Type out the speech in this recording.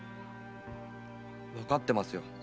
わかってますよ。